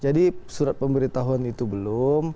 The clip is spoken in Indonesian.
jadi surat pemberitahuan itu belum